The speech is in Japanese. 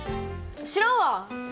知らんわ。